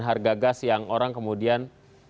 harga gas yang orang kemudian